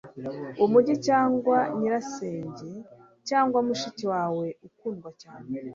umujyi, cyangwa nyirasenge, cyangwa mushiki wawe ukundwa cyane